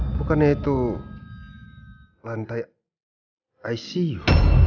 bukannya itu lantai icu